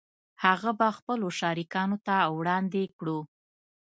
هغه به خپلو شریکانو ته وړاندې کړو